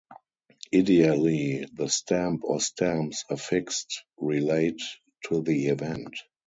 Ideally the stamp or stamps affixed relate to the event.